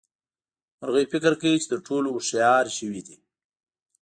مرغۍ فکر کوي چې تر ټولو هوښيار ژوي دي.